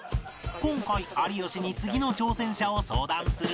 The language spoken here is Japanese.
今回有吉に次の挑戦者を相談すると